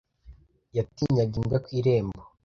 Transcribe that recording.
S] [T] Yatinyaga imbwa ku irembo.